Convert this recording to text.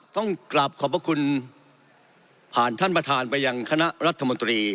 ต้องกลับขอบพระคุณผ่านท่านประธานไปยังคณะรัฐมนตรี